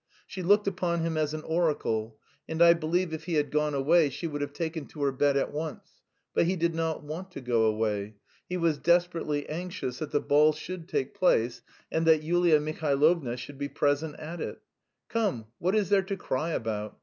She looked upon him as an oracle, and I believe if he had gone away she would have taken to her bed at once. But he did not want to go away; he was desperately anxious that the ball should take place and that Yulia Mihailovna should be present at it. "Come, what is there to cry about?